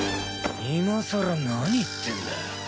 今さら何言ってんだよ。